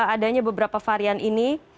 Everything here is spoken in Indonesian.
adanya beberapa varian ini